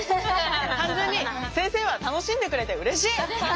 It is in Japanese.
単純に先生は楽しんでくれてうれしい。